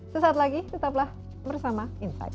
sesaat lagi tetaplah bersama insight